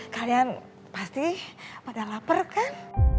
kalian pasti pada lapar kan